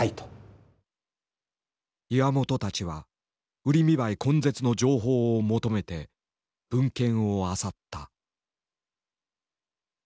岩本たちはウリミバエ根絶の情報を求めて文献をあさった。